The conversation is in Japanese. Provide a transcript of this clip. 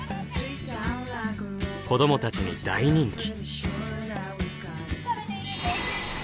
子どもたちに大人気！